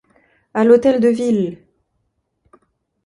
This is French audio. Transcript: À l'Hôtel de Ville!